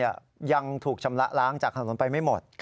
ยังถูกชำระล้างจากถนนไปไม่หมด